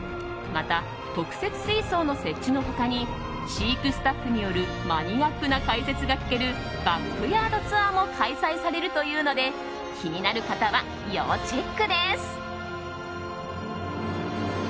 また、特設水槽の設置の他に飼育スタッフによるマニアックな解説が聞けるバックヤードツアーも開催されるというので気になる方は要チェックです。